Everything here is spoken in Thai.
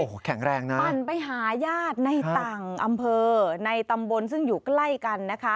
โอ้โหแข็งแรงนะปั่นไปหาญาติในต่างอำเภอในตำบลซึ่งอยู่ใกล้กันนะคะ